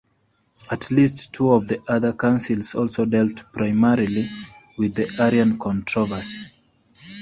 At least two of the other councils also dealt primarily with the Arian controversy.